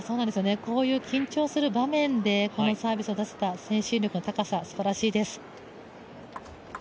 こういう緊張する場面で、このサービスを出せた精神力の高さ、すばらしいです。